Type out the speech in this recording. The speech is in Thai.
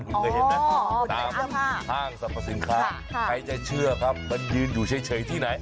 คุณเคยเห็นไหมตามห้างสรรพสินค้าใครจะเชื่อครับมันยืนอยู่เฉยที่ไหน